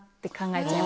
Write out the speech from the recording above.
え。